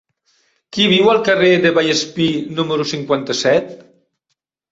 Qui viu al carrer de Vallespir número cinquanta-set?